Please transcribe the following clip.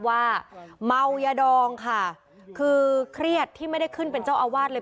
ว่าเมายาดองค่ะคือเครียดที่ไม่ได้ขึ้นเป็นเจ้าอาวาสเลย